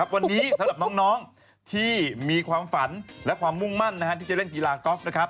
วันนี้สำหรับน้องที่มีความฝันและความมุ่งมั่นที่จะเล่นกีฬากอล์ฟนะครับ